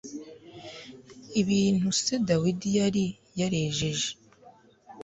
ibintu se dawidi yari yarejeje